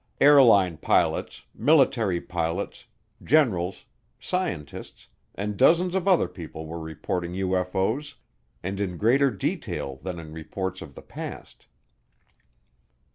Airline pilots, military pilots, generals, scientists, and dozens of other people were reporting UFO's, and in greater detail than in reports of the past.